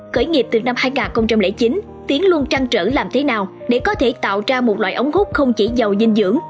khởi nghiệp từ năm hai nghìn chín tiến luôn trăn trở làm thế nào để có thể tạo ra một loại ống hút không chỉ giàu dinh dưỡng